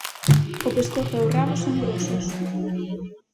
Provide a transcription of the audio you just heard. O pescozo e o rabo son grosos.